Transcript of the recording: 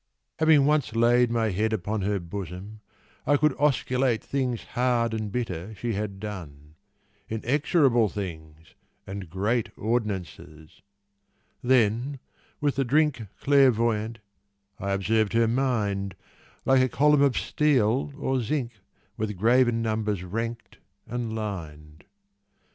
Having once laid my head upon Her bosom, I could ausculate Things hard and bitter she had done, Inexorable things, and great Ordinances ; then, with the drink Clairvoyant, I observed her mind Like a column of steel or zinc With graven numbers ranked and lined.